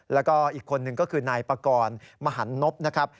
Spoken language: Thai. แล้วก็อีกคนนึงก็คือนายปากรมหันนบนะครับ